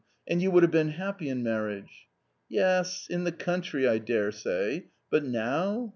and you would have been happy in marriage." " Yes, in the country, I daresay ; but now